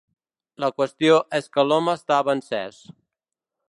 La qüestió és que l'home estava encès.